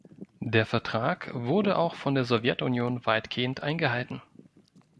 Der Vertrag wurde auch von der Sowjetunion weitgehend eingehalten.